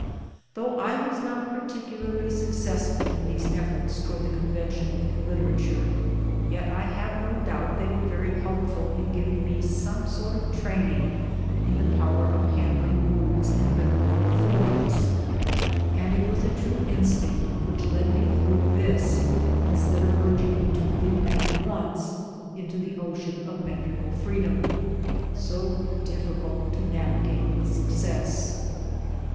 Though I was not particularly successful in these efforts towards the conventional in literature, yet I have no doubt they were very helpful in giving me some sort of training in the power of handling words and rhythmical forms and 1 it was a true instinct which led me through this instead of urging me to leap at once into the ocean of metrical freedom, so difficult to navigate with success.